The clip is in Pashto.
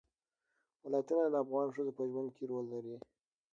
ولایتونه د افغان ښځو په ژوند کې رول لري.